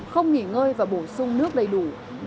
không nghỉ ngơi và bổ sung nước đầy đủ